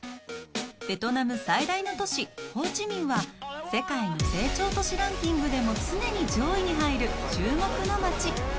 ベトナム最大の都市ホーチミンは、世界の成長都市ランキングでも常に上位に入る、注目の街。